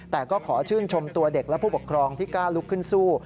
แต่ก็ขอชื่นชมตัวเด็กและผู้ปกครองที่กล้าลุกขึ้นสู้